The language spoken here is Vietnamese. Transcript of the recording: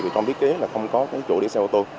thì trong biết kế là không có cái chỗ để xe ô tô